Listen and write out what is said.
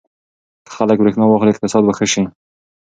که خلک برېښنا واخلي اقتصاد به ښه شي.